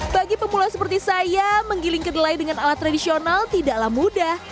bagi pemula seperti saya menggiling kedelai dengan alat tradisional tidaklah mudah